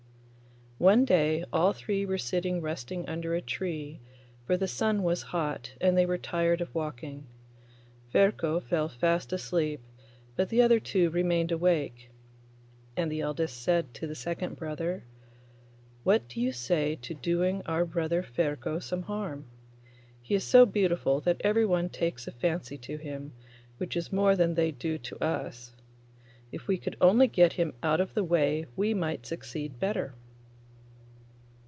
One day all the three were sitting resting under a tree, for the sun was hot and they were tired of walking. Ferko fell fast asleep, but the other two remained awake, and the eldest said to the second brother, 'What do you say to doing our brother Ferko some harm? He is so beautiful that everyone takes a fancy to him, which is more than they do to us. If we could only get him out of the way we might succeed better.